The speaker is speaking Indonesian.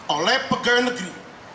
oleh pegawai negeri